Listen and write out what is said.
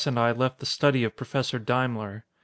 and I left the study of Professor Daimler.